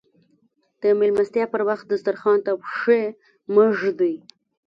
د ميلمستيا پر وخت دسترخوان ته پښې مه ږدئ.